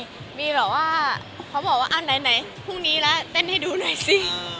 มีแบบว่าเขาบอกว่าอ้าวไหนพรุ่งนี้แล้วเต้นให้ดูหน่อยสิ